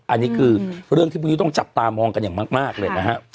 อันนี้คือเรื่องที่พรุ่งนี้ต้องจับตามองกันอย่างมากเลยนะฮะ